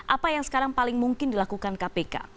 apa yang sekarang paling mungkin dilakukan kpk